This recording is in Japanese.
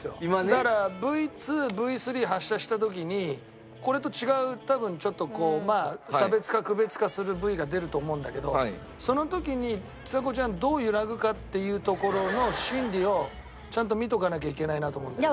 だからＶ２Ｖ３発射した時にこれと違う多分ちょっとこうまあ差別化区別化するＶが出ると思うんだけどその時にちさ子ちゃんがどう揺らぐか？っていうところの心理をちゃんと見ておかなきゃいけないなと思うんだよね。